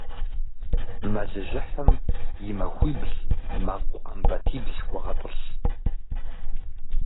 Мэлыжьыхьым и махуибл мэкъу Ӏэмбатибл хуэгъэтӀылъ.